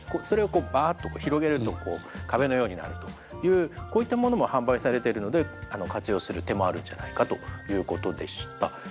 それをこうバーッと広げると壁のようになるというこういったものも販売されてるので活用する手もあるんじゃないかということでした。